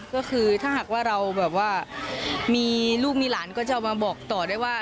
ก็คือถ้าหากว่าเราแบบว่ามีลูกมีหลานก็จะมาบอกต่อได้ว่า